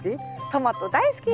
トマト大好き！